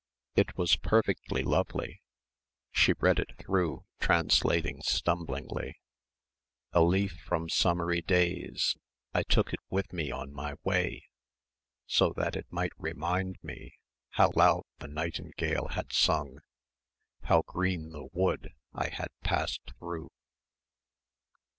It was perfectly lovely she read it through translating stumblingly "A leaf from summery days I took it with me on my way, So that it might remind me How loud the nightingale had sung, How green the wood I had passed through."